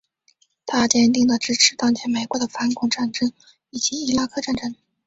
他坚定的支持当前美国的反恐战争以及伊拉克战争。